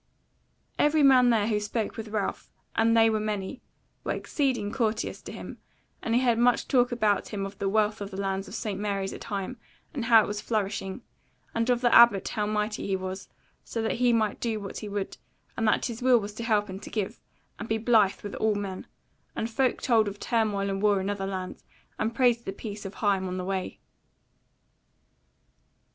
Every man there who spoke with Ralph, and they were many, was exceeding courteous to him; and he heard much talk about him of the wealth of the lands of St. Mary's at Higham, and how it was flourishing; and of the Abbot how mighty he was, so that he might do what he would, and that his will was to help and to give, and be blithe with all men: and folk told of turmoil and war in other lands, and praised the peace of Higham on the Way.